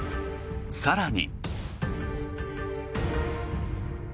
更に。